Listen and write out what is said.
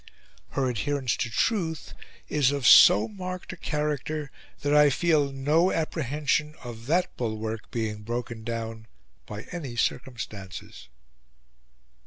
Her adherence to truth is of so marked a character that I feel no apprehension of that Bulwark being broken down by any circumstances."